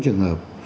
có bốn trường hợp